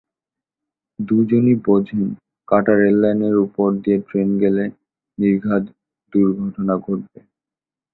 দুজনই বোঝেন কাটা রেললাইনের ওপর দিয়ে ট্রেন গেলে নির্ঘাত দুর্ঘটনা ঘটবে।